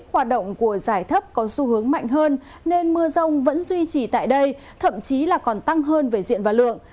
hoạt động của giải thấp có xu hướng mạnh hơn nên mưa rông vẫn duy trì tại đây thậm chí là còn tăng hơn về diện và lượng